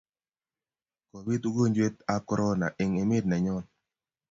kobit ugojwet ab korona eng emet nenyon